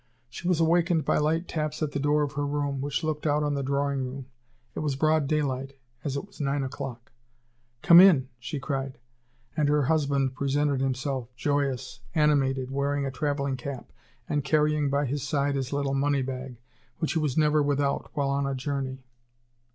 She was awakened by light taps at the door of her room, which looked out on the drawing room. It was broad daylight, as it was nine o'clock. "Come in," she cried. And her husband presented himself, joyous, animated, wearing a traveling cap and carrying by his side his little money bag, which he was never without while on a journey.